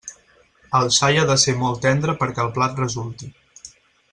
El xai ha de ser molt tendre perquè el plat resulti.